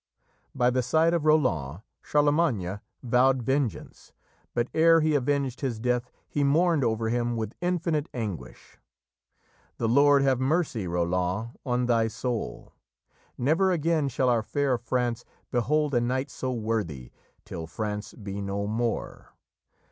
By the side of Roland, Charlemagne vowed vengeance, but ere he avenged his death he mourned over him with infinite anguish: "'The Lord have mercy, Roland, on thy soul! Never again shall our fair France behold A knight so worthy, till France be no more!